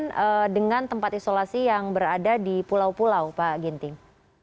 bagaimana dengan tempat isolasi yang berada di pulau pulau pak ginting